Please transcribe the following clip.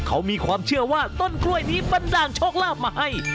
เขามีความเชื่อว่าต้นกล้วยนี้บันดาลโชคลาภมาให้